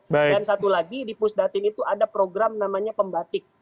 dan satu lagi di pusdatin itu ada program namanya pembatik